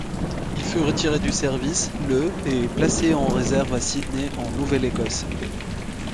Il fut retiré du service le et placé en réserve à Sydney, en Nouvelle-Écosse.